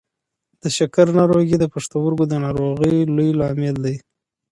د شکر ناروغي د پښتورګو د ناروغۍ لوی لامل دی.